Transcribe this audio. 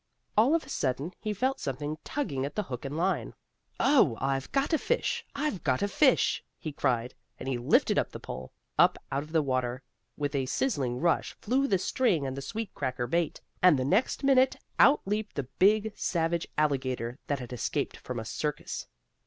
All of a sudden he felt something tugging at the hook and line. "Oh, I've got a fish! I've got a fish!" he cried, as he lifted up the pole. Up out of the water with a sizzling rush flew the string and the sweet cracker bait, and the next minute out leaped the big, savage alligator that had escaped from a circus.